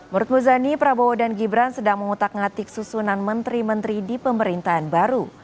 menurut muzani prabowo dan gibran sedang mengutak ngatik susunan menteri menteri di pemerintahan baru